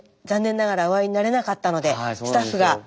残念ながらお会いになれなかったのでスタッフが。